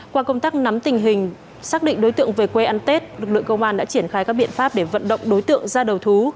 qua công tác nắm tình hình xác định đối tượng về quê ăn tết lực lượng công an đã triển khai các biện pháp để vận động đối tượng ra đầu thú